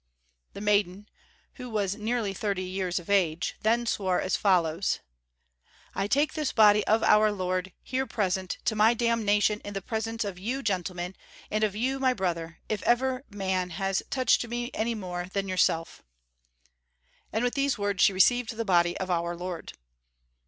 The maiden, who was nearly thirty years of age, (3) then swore as follows: "I take this Body of Our Lord, here present, to my damnation in the presence of you, gentlemen, and of you, my brother, if ever man has touched me any more than yourself." And with these words she received the Body of Our Lord.